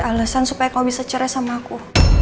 cari alesan supaya kamu bisa cerai sama aku